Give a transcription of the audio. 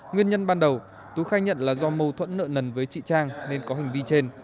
nguyên nhân ban đầu tú khai nhận là do mâu thuẫn nợ nần với chị trang nên có hành vi trên